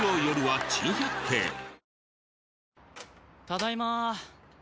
ただいま。